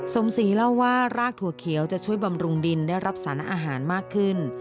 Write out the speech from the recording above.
สมศรีเล่าว่ารากถั่วเขียวจะช่วยบำรุงดินได้รับสารอาหารมากขึ้น